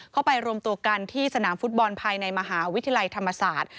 ไปรวมตัวกันที่สนามฟุตบอลภายในมหาวิทยาลัยธรรมศาสตร์